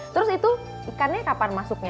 terus itu ikannya kapan masuknya